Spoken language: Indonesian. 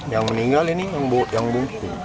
yang meninggal ini yang bungku